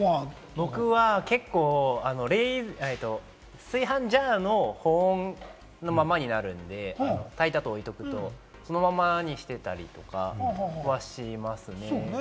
僕は、炊飯ジャーの保温のままになるんで、炊いた後、置いておくと、そのままにしてたりとかします。